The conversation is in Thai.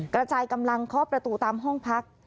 กระจายกำลังเคาะประตูตามห้องพัก